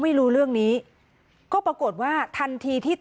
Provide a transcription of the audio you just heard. ไม่รู้จริงว่าเกิดอะไรขึ้น